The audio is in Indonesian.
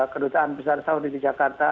kedutaan besar saudi di jakarta